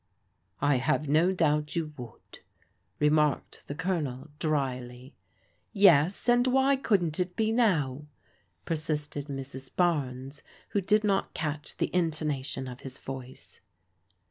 " I have no doubt you would," remarked the Colonel dryly. " Yes, and why couldn't it be now ?" persisted Mrs. Barnes, who did not catch the intonation of his voice.